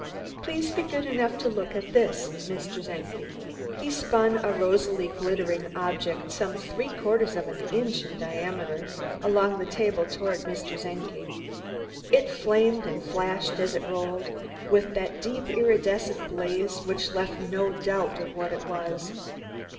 "Please be good enough to look at this, Mr. Czenki." He spun a rosily glittering object some three quarters of an inch in diameter, along the table toward Mr. Czenki. It flamed and flashed as it rolled, with that deep iridescent blaze which left no doubt of what it was.